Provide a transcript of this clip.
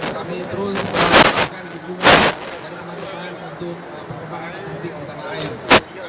kami terus berhasil melakukan dukungan dari teman teman untuk perkembangan atletik utama lain